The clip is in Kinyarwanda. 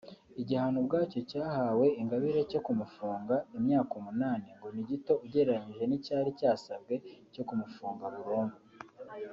Igihano ubwacyo cyahawe Ingabire cyo gufungwa imyaka umunani ngo ni gito ugereranyije n’icyari cyasabwe cyo kumufunga burundu